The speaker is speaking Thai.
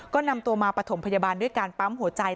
ก็นำตัวมาปฐมพยาบาลด้วยการปั๊มหัวใจ